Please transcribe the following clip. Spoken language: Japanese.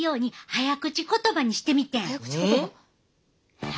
早口言葉？